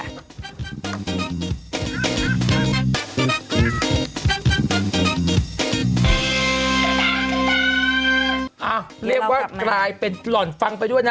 เรียกว่ากลายเป็นหล่อนฟังไปด้วยนะ